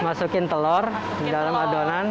masukin telur di dalam adonan